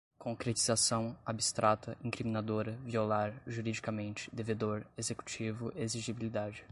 concretização, abstrata, incriminadora, violar, juridicamente, devedor, executivo exigibilidade